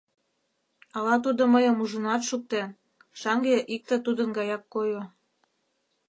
Ала тудо мыйым ужынат шуктен, шаҥге икте тудын гаяк койо...